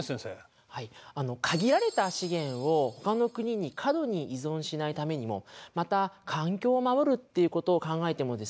はい限られた資源をほかの国に過度に依存しないためにもまた環境を守るっていうことを考えてもですね